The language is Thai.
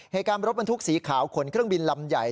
เหตุการณ์รถบรรทุกสีขาวขนเครื่องบินลำใหญ่